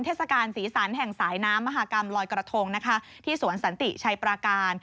เทศกาลสีสันแห่งสายน้ำมหากรรมลอยกระทงนะคะที่สวนสันติชัยปราการ